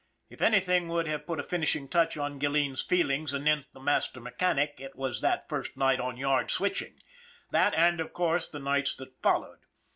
If anything would have put a finishing touch on Gil leen's feelings anent the master mechanic it was that first night on yard switching, that and, of course, the nights that followed.